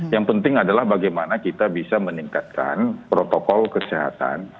yang penting adalah bagaimana kita bisa meningkatkan protokol kesehatan